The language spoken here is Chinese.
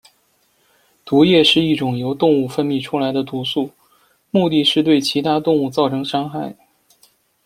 毒液是一种由动物分泌出来的毒素，目的是对其他动物造成伤害。